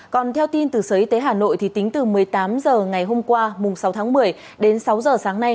còn theo tin từ sở y tế hà nội tính từ một mươi tám h ngày hôm qua mùng sáu tháng một mươi đến sáu giờ sáng nay